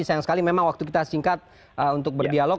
sayang sekali memang waktu kita singkat untuk berdialog